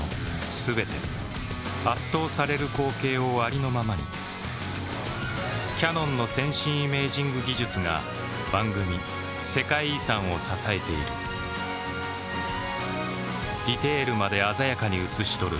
全て圧倒される光景をありのままにキヤノンの先進イメージング技術が番組「世界遺産」を支えているディテールまで鮮やかに映し撮る